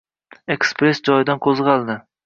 Ekspress joyidan qo`zg`aldi